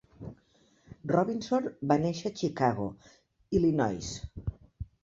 Robinson va néixer a Chicago, Illinois.